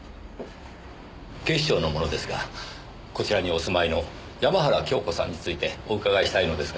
警視庁の者ですがこちらにお住まいの山原京子さんについてお伺いしたいのですが。